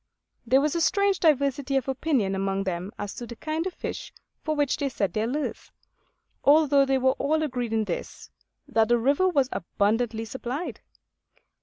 There was a strange diversity of opinion among them as to the kind of fish for which they set their lures; although they were all agreed in this, that the river was abundantly supplied.